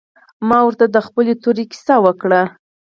ما ورته د خپلې تورې کيسه وکړه.